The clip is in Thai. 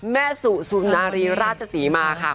แม่สุสุนารีราชศรีมาค่ะ